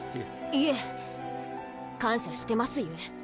いえ感謝してますゆえ。